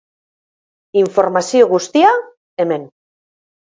Informazio guztia, hemen.